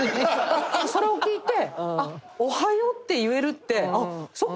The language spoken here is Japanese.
それを聞いて「おはよう」って言えるってあっそっ